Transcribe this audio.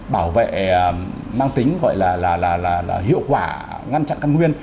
bảo vệ mang tính gọi là hiệu quả ngăn chặn căn nguyên